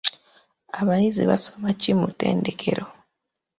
Abayizi basoma ki mu ttendekero?